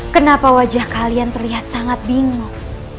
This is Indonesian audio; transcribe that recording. kenapa wajah kalian terlihat sangat bingung